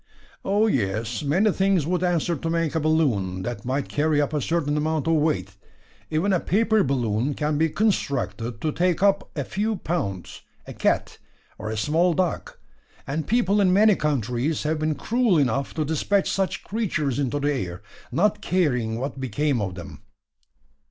"Oh, yes; many things would answer to make a balloon, that might carry up a certain amount of weight. Even a paper balloon can be constructed to take up a few pounds a cat, or a small dog; and people in many countries have been cruel enough to dispatch such creatures into the air, not caring what became of them."